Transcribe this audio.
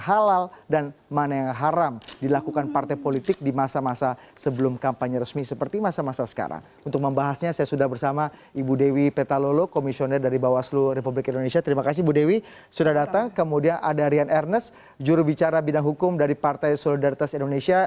ada rian ernest jurubicara bidang hukum dari partai solidaritas indonesia